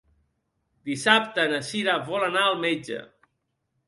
Dissabte na Cira vol anar al metge.